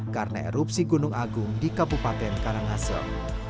karena erupsi gunung agung di kabupaten karangasem